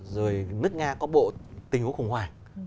rồi nước nga có bộ tình huống khủng hoảng